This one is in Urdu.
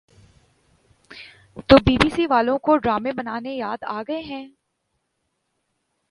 تو بی بی سی والوں کو ڈرامے بنانا یاد آگئے ہیں